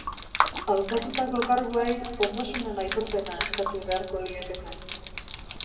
Hautatutako karguei ondasunen aitorpena eskatu beharko liekete.